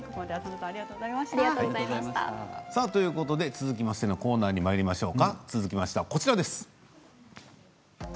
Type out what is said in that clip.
続いてのコーナーにまいりましょう。